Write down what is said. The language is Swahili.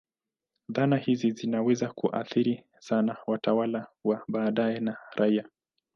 Dhana hizi zinaweza kuathiri sana watawala wa baadaye na raia.